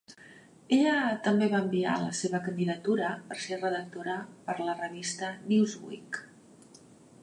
Ella també va enviar la seva candidatura per ser redactora per a la revista "Newsweek".